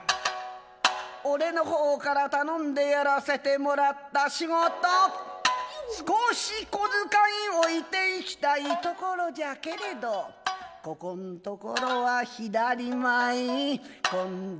俺の方から頼んでやらせてもらった仕事少し小遣い置いて行きたい所じゃけれどここの所は左前今度